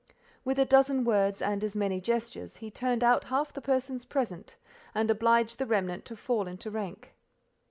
With a dozen words, and as many gestures, he turned out half the persons present, and obliged the remnant to fall into rank.